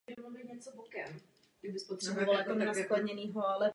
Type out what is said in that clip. Pro návštěvníky jsou k dispozici tři parkoviště.